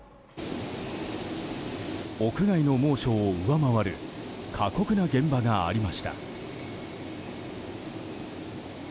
屋外の猛暑を上回る過酷な現場がありました。